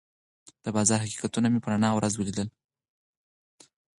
د بازار حقیقتونه مې په رڼا ورځ ولیدل.